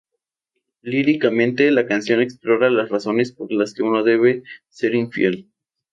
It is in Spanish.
Líricamente, la canción explora las razones por las que uno debe ser infiel.